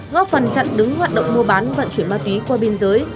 góp phần chặn đứng hoạt động mua bán vận chuyển ma túy qua biên giới